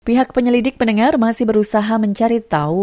pihak penyelidik pendengar masih berusaha mencari tahu